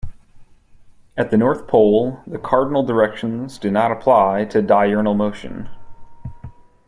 At the North Pole, the cardinal directions do not apply to diurnal motion.